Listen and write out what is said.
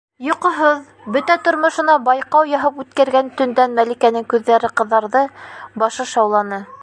Йоҡоһоҙ, бөтә тормошона байҡау яһап үткәргән төндән Мәликәнең күҙҙәре ҡыҙарҙы, башы шауланы.